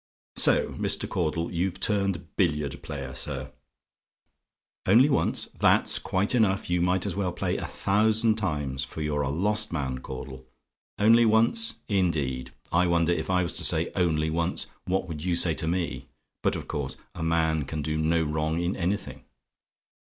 "So, Mr. Caudle you've turned billiard player, sir. "ONLY ONCE? "That's quite enough: you might as well play a thousand times; for you're a lost man, Caudle. Only once, indeed! I wonder, if I was to say 'Only once,' what would you say to me? But, of course, a man can do no wrong in anything.